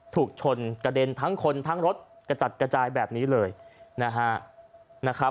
ถูกชนกระเด็นทั้งคนทั้งรถกระจัดกระจายแบบนี้เลยนะฮะ